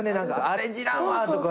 アレンジいらんわとか。